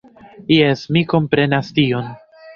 Jes, mi komprenas tion.